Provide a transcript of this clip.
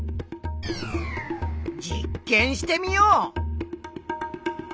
実験してみよう！